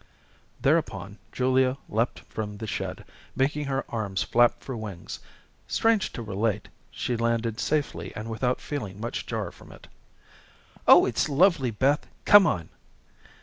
Thereupon Julia leaped from the shed, making her arms flap for wings. Strange to relate, she landed safely and without feeling much jar from it. "Oh, it's lovely, Beth. Come on."